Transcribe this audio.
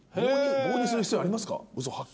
棒にする必要ありますか？